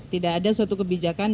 tidak ada suatu kebijakan yang tidak ada